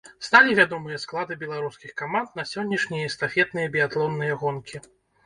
Сталі вядомыя склады беларускіх каманд на сённяшнія эстафетныя біятлонныя гонкі.